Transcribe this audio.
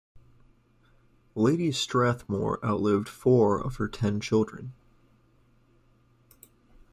Lady Strathmore outlived four of her ten children.